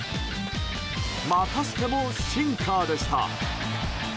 またしてもシンカーでした。